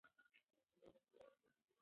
بورنېو د ونو ساتنه غواړي.